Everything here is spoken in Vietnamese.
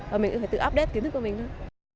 và mình cũng phải tự update kiến thức của mình thôi